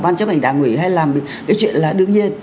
ban chấp hành đảng ủy hay làm cái chuyện là đương nhiên